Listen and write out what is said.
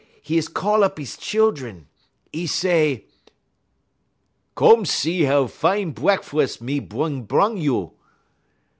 'E is call up 'e chillun; 'e say: "'Come see how fine brekwus me bin brung you.'